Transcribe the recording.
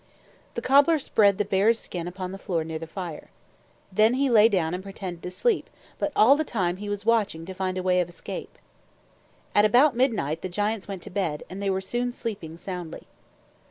The cobbler spread the bear's skin upon the floor near the fire. Then he lay down and pretended to sleep, but all the time he was watching to find a way of escape. At about midnight, the giants went to bed, and they were soon sleeping soundly.